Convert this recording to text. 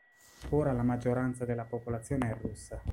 Ora la maggioranza della popolazione è russa.